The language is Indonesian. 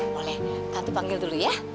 boleh satu panggil dulu ya